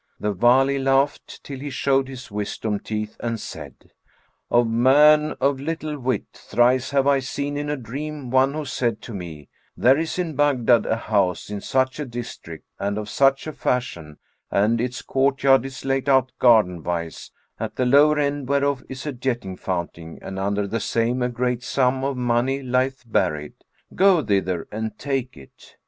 The Wali laughed till he showed his wisdom teeth and said, "O man of little wit, thrice have I seen in a dream one who said to me: 'There is in Baghdad a house in such a district and of such a fashion and its courtyard is laid out garden wise, at the lower end whereof is a jetting fountain and under the same a great sum of money lieth buried. Go thither and take it.'